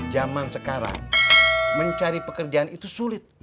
zaman sekarang mencari pekerjaan itu sulit